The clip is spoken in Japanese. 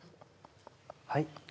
はい？